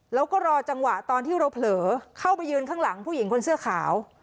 แล้วก็รอจังหวะตอนที่เราเผลอเข้าไปยืนข้างหลังผู้หญิงคนเสื้อขาว